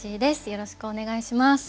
よろしくお願いします。